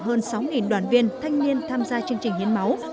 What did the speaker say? hơn sáu đoàn viên thanh niên tham gia chương trình hiến máu